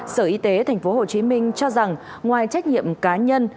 sở y tế tp hcm cho rằng ngoài trách nhiệm cá nhân